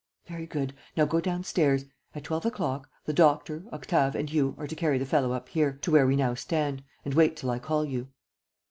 "Very good. Now go downstairs. At twelve o'clock, the doctor, Octave and you are to carry the fellow up here, to where we now stand, and wait till I call you."